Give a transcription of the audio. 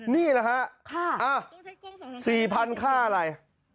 นี่แหละฮะสี่พันธุ์ค่าอะไร